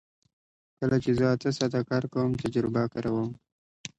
کله چې زه اته ساعته کار کوم تجربه کاروم